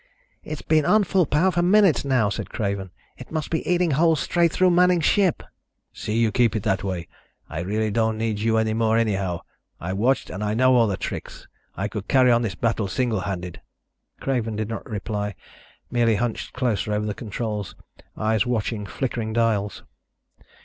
"It's been on full power for minutes now," said Craven. "It must be eating holes straight through Manning's ship." "See you keep it that way. I really don't need you any more, anyhow. I've watched and I know all the tricks. I could carry on this battle single handed." Craven did not reply, merely hunched closer over the controls, eyes watching flickering dials.